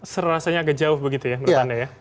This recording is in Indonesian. serasanya agak jauh begitu ya